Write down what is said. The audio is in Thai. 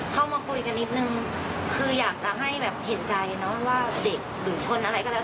เข้ามาคุยกันนิดนึงคืออยากจะให้แบบเห็นใจเนอะว่าเด็กหรือชนอะไรก็แล้ว